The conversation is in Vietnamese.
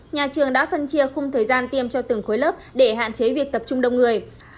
nhà trường đã phân chia khung thời gian tiêm cho từng khối lớp để hạn chế việc tập trung đông người